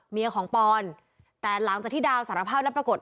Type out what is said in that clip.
เมียของปอนแต่หลังจากที่ดาวสารภาพแล้วปรากฏ